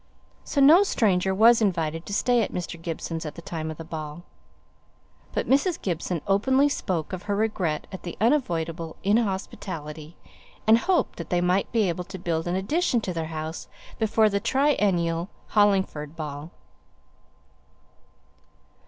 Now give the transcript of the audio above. So no stranger was invited to stay at Mr. Gibson's at the time of the ball; but Mrs. Gibson openly spoke of her regret at the unavoidable inhospitality, and hoped that they might be able to build an addition to their house before the next triennial Hollingford ball.